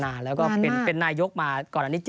นะแหอะแล้วก็เป็นหน้ายกมาก่อนอันนี้